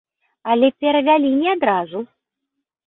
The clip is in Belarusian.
Але перавялі не адразу.